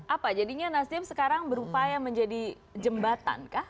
apa jadinya nasdem sekarang berupaya menjadi jembatan kah